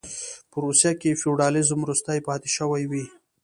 په روسیه کې فیوډالېزم وروستۍ پاتې شوې وې.